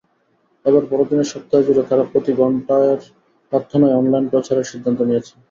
এবার বড়দিনের সপ্তাহজুড়ে তারা প্রতি ঘণ্টার প্রার্থনাই অনলাইনে প্রচারের সিদ্ধান্ত নিয়েছে।